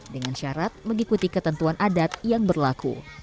dengan syarat mengikuti ketentuan adat yang berlaku